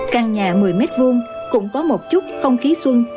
căn nhà một mươi m hai cũng có một chút không khí xuân